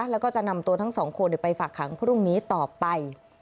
แล้วก็จะนำตัวทั้งสองคนไปฝากขังพรุ่งนี้ต่อไป